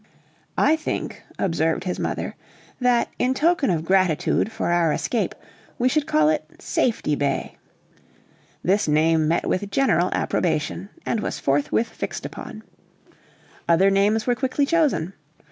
"I think," observed his mother, "that, in token of gratitude for our escape, we should call it Safety Bay." This name met with general approbation, and was forthwith fixed upon. Other names were quickly chosen.